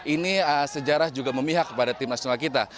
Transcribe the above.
ini sejarah juga memihak kepada tim nasional kita